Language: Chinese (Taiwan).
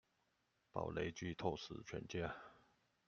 暴雷劇透死全家